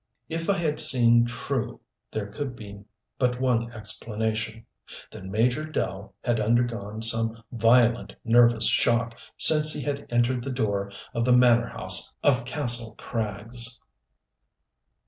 If I had seen true, there could be but one explanation: that Major Dell had undergone some violent nervous shock since he had entered the door of the manor house of Kastle Krags.